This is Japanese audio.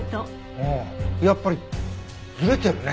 ああやっぱりずれてるね。